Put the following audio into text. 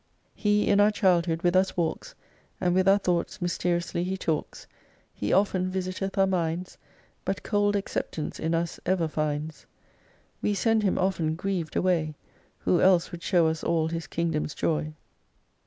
2 He in our childhood with us walks, And with our thoughts mysteriously He talks ; He often visiteth our minds, But cold acceptance in us ever finds : We send Him often grieved away, "Who else would show us all His Kingdom's joy.